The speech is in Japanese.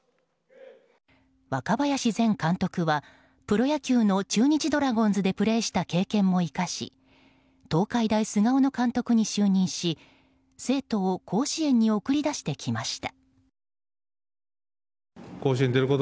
若林前監督はプロ野球の中日ドラゴンズでプレーした経験も生かし東海大菅生の監督に就任し生徒を甲子園に送り出してきました。